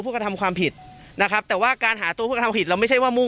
กระทำความผิดนะครับแต่ว่าการหาตัวผู้กระทำผิดเราไม่ใช่ว่ามุ่ง